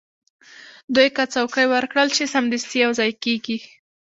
دوی که څوکۍ ورکړل شي، سمدستي یو ځای کېږي.